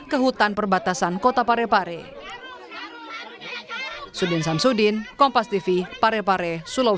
kehutan perbatasan kota parepare